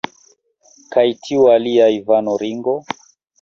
Kaj tiu alia, Ivano Ringo?